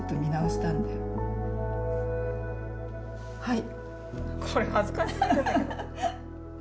はい。